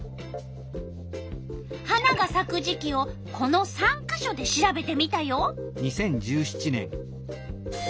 花がさく時期をこの３か所で調べてみたよ。